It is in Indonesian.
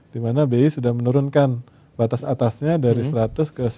dimana bi sudah menurunkan batas atasnya dari seratus ke sembilan puluh dua